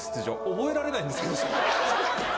覚えられないんですけど。